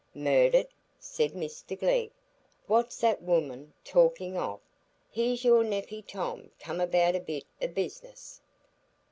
"Murdered?" said Mr Glegg; "what's the woman talking of? Here's your nephey Tom come about a bit o' business."